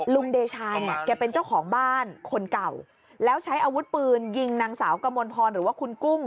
เดชาเนี่ยแกเป็นเจ้าของบ้านคนเก่าแล้วใช้อาวุธปืนยิงนางสาวกมลพรหรือว่าคุณกุ้ง